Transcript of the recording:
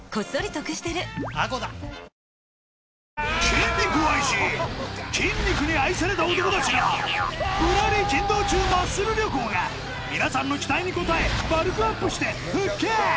筋肉を愛し筋肉に愛された男たちの『ぶらり筋道中マッスル旅行』が皆さんの期待に応えバルクアップして復活！